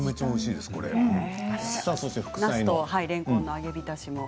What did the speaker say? なすとれんこんの揚げ浸しです。